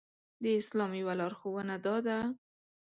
د اسلام يوه لارښوونه دا ده.